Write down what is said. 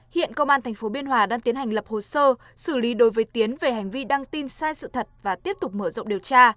hiện công an tp biên hòa đang tiến hành lập hồ sơ xử lý đối với tiến về hành vi đăng tin sai sự thật và tiếp tục mở rộng điều tra